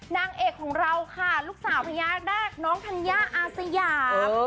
นางเอกของเราค่ะลูกสาวพญานาคน้องธัญญาอาสยาม